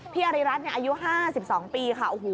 อาริรัตน์อายุ๕๒ปีค่ะ